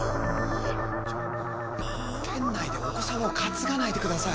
店内でお子さまをかつがないでください。